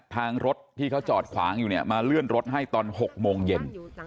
ทางรถที่เขาจอดขวางอยู่เนี่ยมาเลื่อนรถให้ตอน๖โมงเย็น